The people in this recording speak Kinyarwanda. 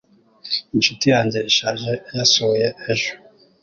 Inshuti yanjye ishaje yasuye ejo.